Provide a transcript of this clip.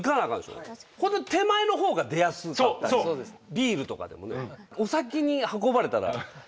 ビールとかでもねお先に運ばれたら並ぶまで待つ。